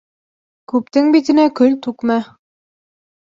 Күптең битенә көл түкмә.